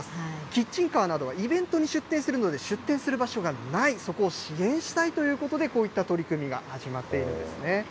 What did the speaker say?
キッチンカーなどは、イベントに出店するので、出店する場所がない、そこを支援したいという取り組みが始まっているんですね。